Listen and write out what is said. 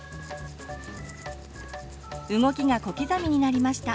動きが小刻みになりました。